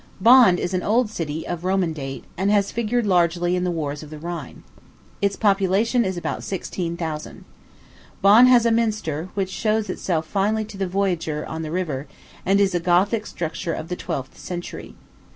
Bonn is an old city, of Roman date, and has figured largely in the wars of the Rhine. Its population is about sixteen thousand. Bonn has a minster, which shows itself finely to the voyager on the river, and is a Gothic structure of the twelfth century.